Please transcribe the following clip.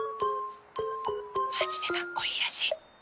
マジでかっこいいらしい。